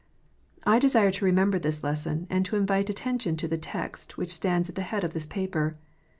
I desire to remember this lesson, and to invite attention to the text which stands at the head of this paper.